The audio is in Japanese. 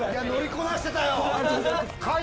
乗りこなしてたよ。